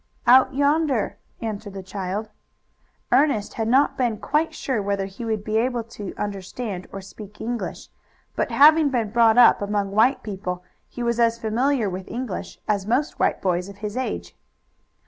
"Out yonder," answered the child. Ernest had not been quite sure whether he would be able to understand or speak English, but having been brought up among white people he was as familiar with English as most white boys of his age.